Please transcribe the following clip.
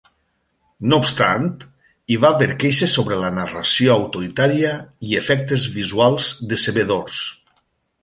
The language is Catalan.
No obstant, hi va haver queixes sobre la narració autoritària i efectes visuals decebedors.